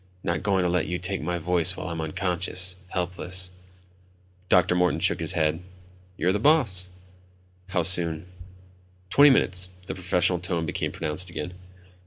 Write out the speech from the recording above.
"Not going to let you take my voice while I'm unconscious ... helpless ..." Dr. Morton shook his head. "You're the boss." "How soon?" "Twenty minutes." The professional tone became pronounced again.